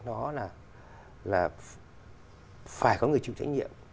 nó là phải có người chịu trách nhiệm